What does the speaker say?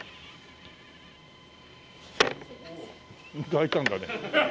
大胆だね。